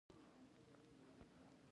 زغر کرل پکار دي.